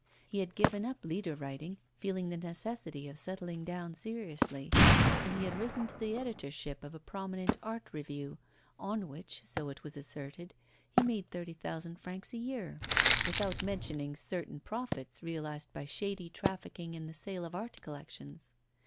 He had given up leader writing, feeling the necessity of settling down seriously, and he had risen to the editorship of a prominent art review, on which, so it was asserted, he made thirty thousand francs a year, without mentioning certain profits realised by shady trafficking in the sale of art collections.